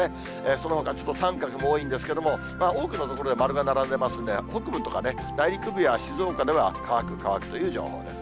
そのほか、三角も多いんですけども、多くの所で丸が並んでますんで、北部とか内陸部や静岡では、乾く、乾くという情報です。